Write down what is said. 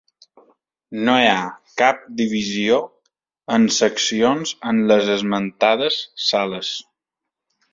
No hi ha cap divisió en seccions en les esmentades sales.